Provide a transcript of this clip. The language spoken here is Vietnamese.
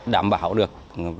đảm bảo được